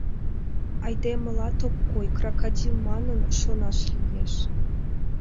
Айдемылат ок кой, крокодил манын шонаш лиеш.